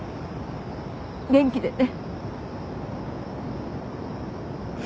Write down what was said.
元気でね。